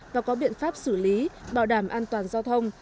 và có biện pháp xử lý bảo đảm an toàn giao thông